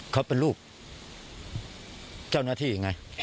เขาเป็นลูกเจ้าหน้าที่ไง